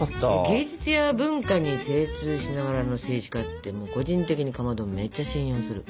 芸術や文化に精通しながらの政治家って個人的にかまどめっちゃ信用する。